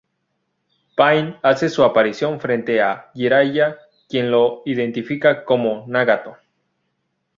Pain hace su aparición frente a Jiraiya, quien lo identifica como Nagato.